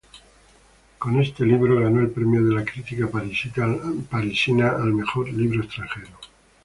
Con este libro ganó el premio de la crítica parisina al mejor libro extranjero.